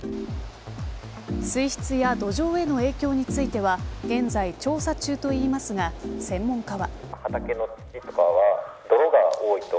水質や土壌への影響については現在調査中と言いますが専門家は。